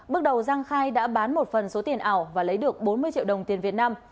bước đầu giang khai đã bán một phần số tiền ảo và lấy được bốn mươi triệu đồng tiền việt nam